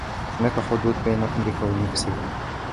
هناك حدود بين أمريكا والمكسيك.